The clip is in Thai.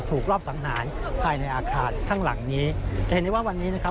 รอบสังหารภายในอาคารข้างหลังนี้จะเห็นได้ว่าวันนี้นะครับ